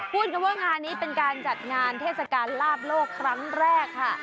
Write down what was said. พูดกันว่างานนี้เป็นการจัดงานเทศกาลลาบโลกครั้งแรกค่ะ